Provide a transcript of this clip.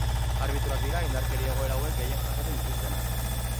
Arbitroak dira indarkeri egoera hauek gehien jasaten dituztenak.